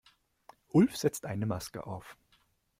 Ulf setzte eine Maske auf.